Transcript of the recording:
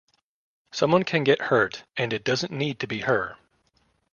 Someone can get hurt and it doesn’t need to be her.